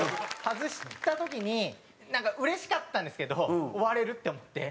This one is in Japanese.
外した時になんか嬉しかったんですけど終われるって思って。